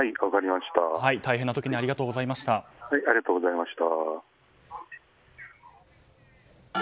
大変な時にありがとうございました。